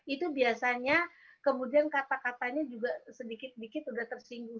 itu biasanya kemudian kata katanya juga sedikit sedikit sudah tersinggung